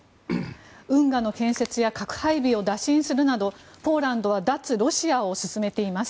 運河の建設や核配備を打診するなどポーランドは脱ロシアを進めています。